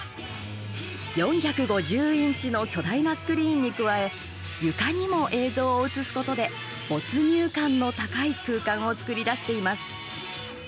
４５０インチの巨大なスクリーンに加え床にも映像を映すことで没入感の高い空間を作り出しています。